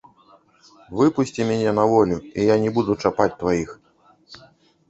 Выпусці мяне на волю, і я не буду чапаць тваіх.